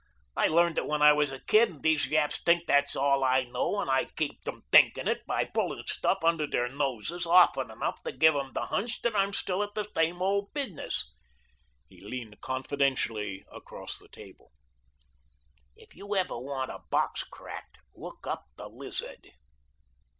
I learned it when I was a kid, an' dese yaps t'ink dat's all I know, and I keep dem t'inkin' it by pullin' stuff under der noses often enough to give 'em de hunch dat I'm still at de same ol' business." He leaned confidentially across the table. "If you ever want a box cracked, look up the Lizard."